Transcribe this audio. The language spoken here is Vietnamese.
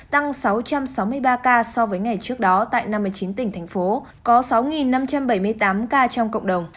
tăng sáu trăm sáu mươi ba ca so với ngày trước đó tại năm mươi chín tỉnh thành phố có sáu năm trăm bảy mươi tám ca trong cộng đồng